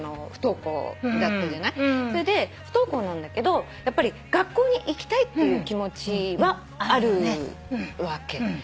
それで不登校なんだけどやっぱり学校に行きたいっていう気持ちはあるわけ。